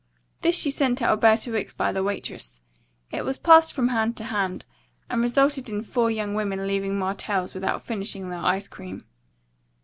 This she sent to Alberta Wicks by the waitress. It was passed from hand to hand, and resulted in four young women leaving Martell's without finishing their ice cream.